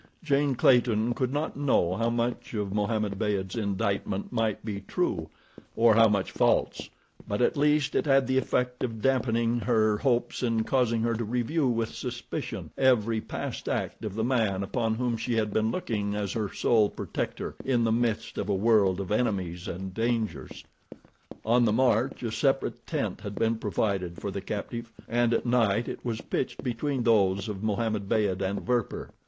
Jane Clayton could not know how much of Mohammed Beyd's indictment might be true, or how much false; but at least it had the effect of dampening her hopes and causing her to review with suspicion every past act of the man upon whom she had been looking as her sole protector in the midst of a world of enemies and dangers. On the march a separate tent had been provided for the captive, and at night it was pitched between those of Mohammed Beyd and Werper.